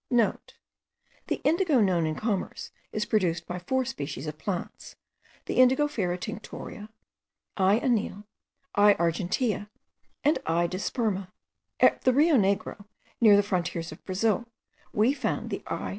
(* The indigo known in commerce is produced by four species of plants; the Indigofera tinctoria, I. anil, I. argentea, and I. disperma. At the Rio Negro, near the frontiers of Brazil, we found the I.